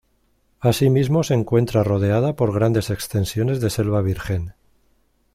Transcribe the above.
Así mismo se encuentra rodeada por grandes extensiones de selva virgen.